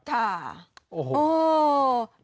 ค่ะโอ้โห